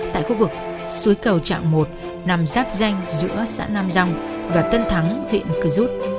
tại khu vực suối cầu trạng một nằm giáp danh giữa xã nam rồng và tân thắng huyện cửa rút